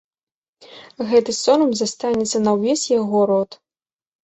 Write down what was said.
Гэты сорам застанецца на ўвесь яго род.